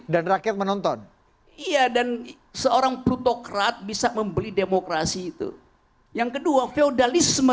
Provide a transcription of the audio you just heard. dan rakyat menonton iya dan seorang plutokrat bisa membeli demokrasi itu yang kedua feodalisme